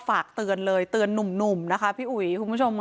ฝากเตือนเลยเตือนหนุ่มนะคะพี่อุ๋ยคุณผู้ชมค่ะ